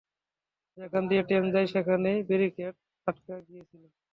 যেখান দিয়ে ট্রেন যায়, সেখানের ব্যারিকেডে আটকে গিয়েছিলাম।